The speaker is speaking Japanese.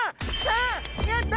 やった！